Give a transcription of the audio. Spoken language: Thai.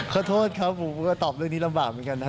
ขอโทษครับผมก็ตอบเรื่องนี้ลำบากเหมือนกันนะ